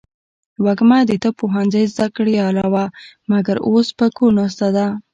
وږمه د طب پوهنځۍ زده کړیاله وه ، مګر اوس په کور ناسته ده.